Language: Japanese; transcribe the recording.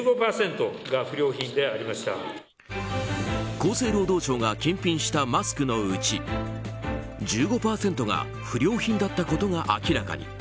厚生労働省が検品したマスクのうち１５％が不良品だったことが明らかに。